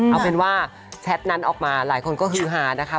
เอาเป็นว่าแชทนั้นออกมาหลายคนก็ฮือฮานะคะ